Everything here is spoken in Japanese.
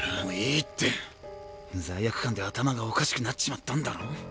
もういいって罪悪感で頭がおかしくなっちまったんだろ？